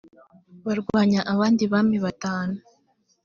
barwanya abandi bami batanu